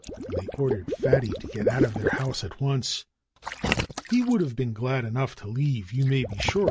And they ordered Fatty to get out of their house at once. He would have been glad enough to leave, you may be sure.